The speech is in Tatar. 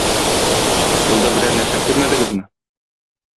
Юлда берәр нәрсә күрмәдегезме?